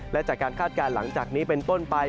และจากการคาดการณ์หลังจากนี้เป็นต้นไป